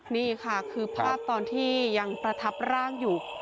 นี่ค่ะคือภาพตอนที่ยังประทับร่างอยู่